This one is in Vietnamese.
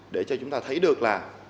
để cho chúng ta thấy được là